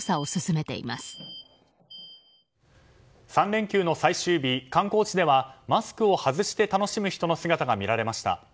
３連休の最終日、観光地ではマスクを外して楽しむ人の姿が見られました。